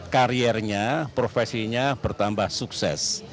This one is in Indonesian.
kariernya profesinya bertambah sukses